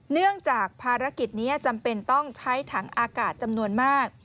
เนื่องจากภารกิจนี้จำเป็นต้องใช้ถังอากาศจำนวนมาก